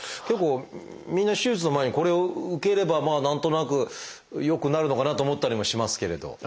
結構みんな手術の前にこれを受ければまあ何となく良くなるのかなと思ったりもしますけれど。